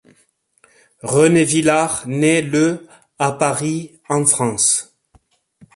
René Villard naît le à Paris, en France.